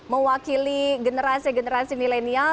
mewakili generasi generasi milenial